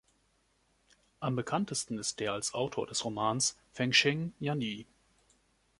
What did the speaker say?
Am bekanntesten ist der als Autor des Romans „Fengshen Yanyi“.